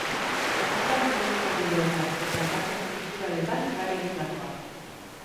Hainbat komunikabidetan eta elkarte kulturaletan lan egindakoa.